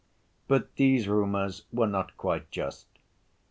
But these rumors were not quite just.